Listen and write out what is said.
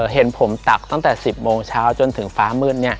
เห็นผมตักตั้งแต่๑๐โมงเช้าจนถึงฟ้ามืด